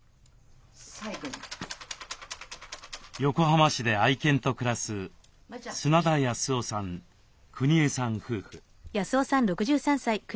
横浜市で愛犬と暮らす砂田康雄さんくにえさん夫婦。